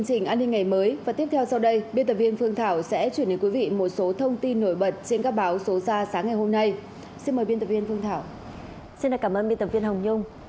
xin cảm ơn bình tập viên hồng nhung